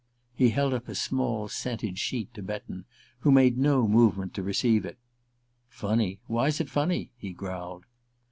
He held up a small scented sheet to Betton, who made no movement to receive it. "Funny? Why's it funny?" he growled.